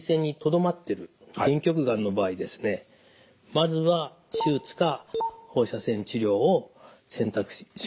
まずは手術か放射線治療を選択します。